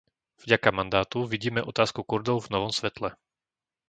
Vďaka mandátu vidíme otázku Kurdov v novom svetle.